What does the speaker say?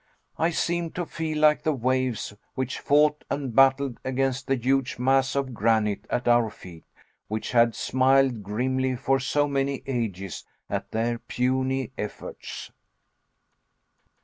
I seemed to feel like the waves which fought and battled against the huge mass of granite at our feet, which had smiled grimly for so many ages at their puny efforts.